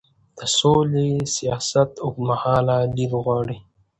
د سولې سیاست اوږدمهاله لید غواړي